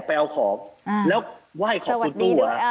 ไปเอาขอบแล้วว่าให้ขอบคุณคุณตู้ไปอะไร